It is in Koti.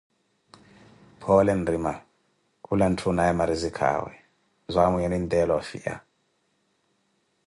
Phoole nrima, kula ntthu onaaye marizikaawe, zwaamu yenu enttela ofiya.